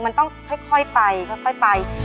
มันต้องค่อยไปค่อยไป